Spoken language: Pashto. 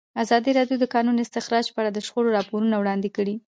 ازادي راډیو د د کانونو استخراج په اړه د شخړو راپورونه وړاندې کړي.